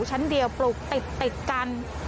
ชั้นเดียวปลูกติดกัน